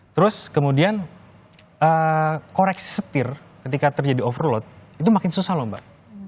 terus kemudian koreksi setir ketika terjadi overload itu makin susah loh mbak